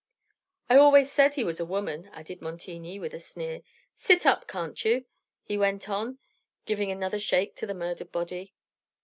"I always said he was a woman," added Montigny with a sneer. "Sit up, can't you?" he went on, giving another shake to the murdered body.